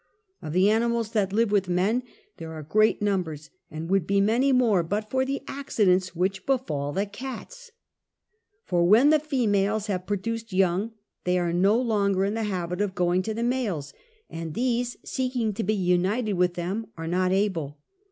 Of the animals that live with men there are great numbers, and would be many more but for the accidents which befall the cats. For when the females have produced young they are no longer in the habit of going to the males, and these seeking to be united with them are not able.